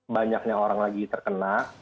banyaknya orang lagi terkena